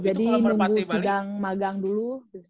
jadi nunggu sidang magang dulu